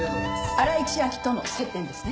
新井千晶との接点ですね。